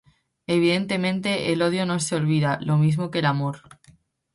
Evidentemente, el odio no se olvida, lo mismo que el amor...